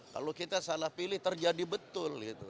kalau kita salah pilih terjadi betul